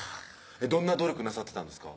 どんな努力なさってたんですか？